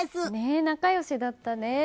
仲良しだったね。